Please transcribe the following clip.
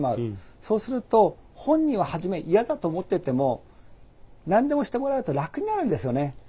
そうすると本人は初め嫌だと思ってても何でもしてもらうと楽になるんですよね。